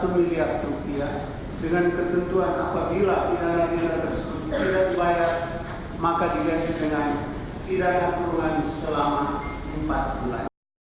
satu miliar rupiah dengan ketentuan apabila pindahan pindahan tersebut tidak dibayar maka diganti dengan pindahan kekurangan selama empat bulan